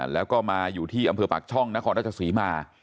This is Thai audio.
แล้วก็มาอยู่ที่อำเภอปากช่องนครราชศรีมา